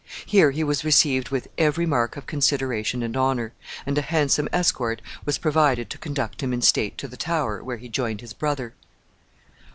Here he was received with every mark of consideration and honor, and a handsome escort was provided to conduct him in state to the Tower, where he joined his brother.